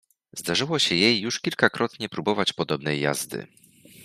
Zdarzyło się jej już kilkukrotnie próbować podobnej jazdy.